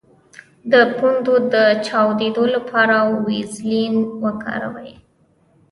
د پوندو د چاودیدو لپاره ویزلین وکاروئ